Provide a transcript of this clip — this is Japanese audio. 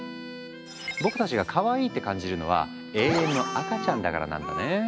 僕たちがかわいいって感じるのは「永遠の赤ちゃん」だからなんだね。